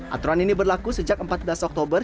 aturan ini berlaku sejak empat belas oktober